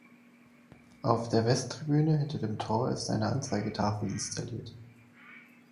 Auf der Westtribüne hinter dem Tor ist eine Anzeigetafel installiert.